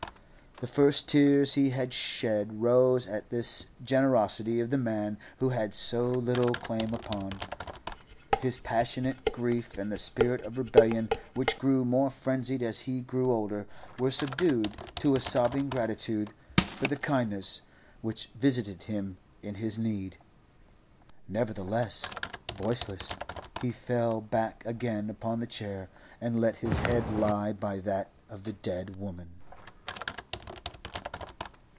The first tears he had shed rose at this generosity of the man he had so little claim upon. His passionate grief and the spirit of rebellion, which grew more frenzied as he grew older, were subdued to a sobbing gratitude for the kindness which visited him in his need. Nerveless, voiceless, he fell back again upon the chair and let his head lie by that of the dead woman.